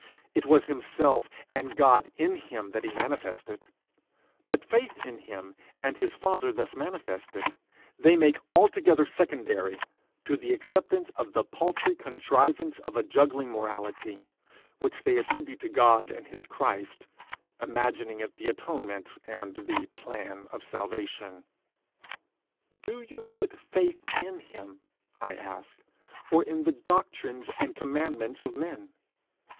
It was himself, and God in him that he manifested; but faith in him and his father thus manifested, they make altogether secondary to acceptance of the paltry contrivance of a juggling morality, which they attribute to God and his Christ, imagining it the atonement, and 'the plan of salvation.' 'Do you put faith in him,' I ask, 'or in the doctrines and commandments of men?'